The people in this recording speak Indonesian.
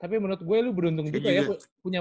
tapi menurut gue lu beruntung juga ya